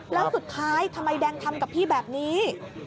แล้วสุดท้ายทำไมแดงทำกับพี่แบบนี้